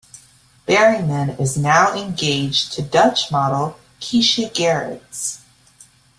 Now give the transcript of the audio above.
Berryman is now engaged to Dutch model Keshia Gerrits.